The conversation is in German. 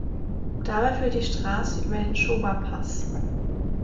Dabei führt die Straße über den Schoberpass.